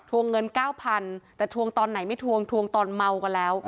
วงเงินเก้าพันแต่ทวงตอนไหนไม่ทวงทวงตอนเมากันแล้ว